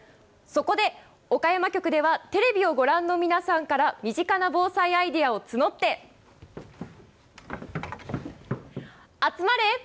そこで岡山局では、テレビをご覧の皆さんから身近な防災アイデアを募って、あつまれ！